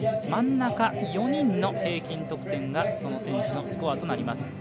真ん中４人の平均得点がその選手のスコアとなります。